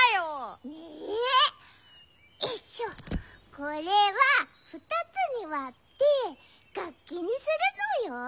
これはふたつにわってがっきにするのよ。